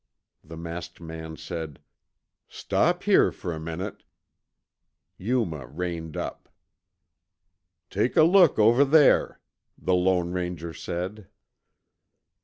The masked man said, "Stop here for a minute." Yuma reined up. "Take a look over there," the Lone Ranger said.